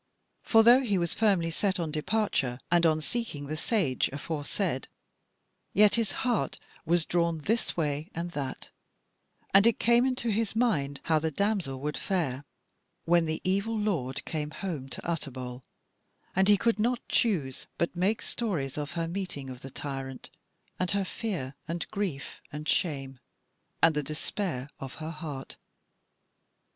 For though he was firmly set on departure, and on seeking the sage aforesaid, yet his heart was drawn this way and that: and it came into his mind how the damsel would fare when the evil Lord came home to Utterbol; and he could not choose but make stories of her meeting of the tyrant, and her fear and grief and shame, and the despair of her heart.